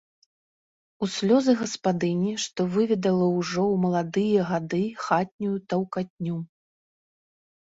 У слёзы гаспадыні, што выведала ўжо ў маладыя гады хатнюю таўкатню.